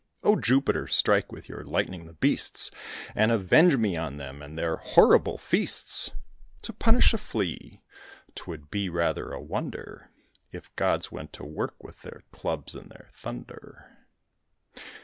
"O Jupiter, strike with your lightning the beasts, And avenge me on them and their horrible feasts!" To punish a Flea, 'twould be rather a wonder If gods went to work with their clubs and their thunder.